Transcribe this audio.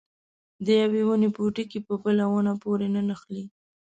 د یوې ونې پوټکي په بله ونه پورې نه نښلي.